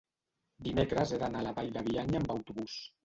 dimecres he d'anar a la Vall de Bianya amb autobús.